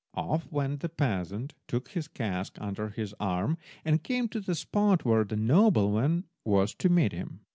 Off went the peasant, took his cask under his arm, and came to the spot where the nobleman was to meet him.